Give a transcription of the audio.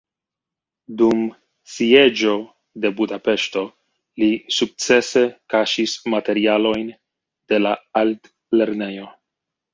Dum sieĝo de Budapeŝto li sukcese kaŝis materialojn de la altlernejo.